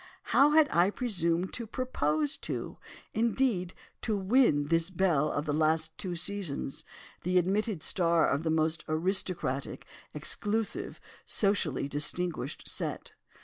How had I presumed to propose to—indeed to win this belle of the last two seasons—the admitted star of the most aristocratic, exclusive, socially distinguished set?